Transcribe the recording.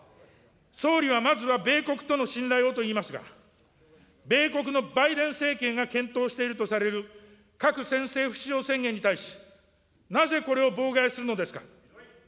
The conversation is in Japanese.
総理はまずは米国との信頼をといいますが、米国のバイデン政権が検討しているとされる核先制不使用宣言に対し、なぜこれを妨害するのですか。